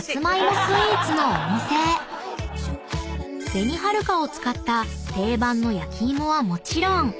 ［紅はるかを使った定番の焼き芋はもちろん］